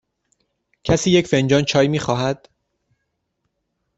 کسی یک فنجان چای می خواهد؟